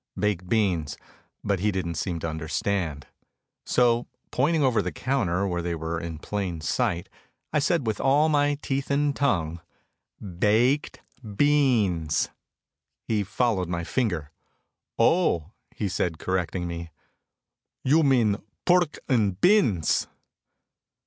Baked beans, but he didn't seem to understand. So pointing over the counter where they were in plain sight, I said with all my teeth and tongue: "Baaked Beens." He followed my finger. "Oh," he said correcting me, "You min Purrk ind Bins."